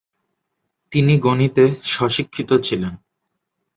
তিনি গণিতে স্ব-শিক্ষিত ছিলেন।